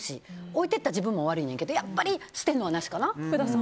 置いてった自分も悪いねんけど捨てるのはなしかな。